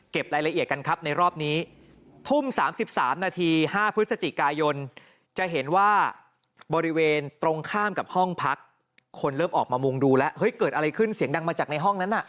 รายละเอียดกันครับในรอบนี้ทุ่ม๓๓นาที๕พฤศจิกายนจะเห็นว่าบริเวณตรงข้ามกับห้องพักคนเริ่มออกมามุงดูแล้วเฮ้ยเกิดอะไรขึ้นเสียงดังมาจากในห้องนั้นน่ะ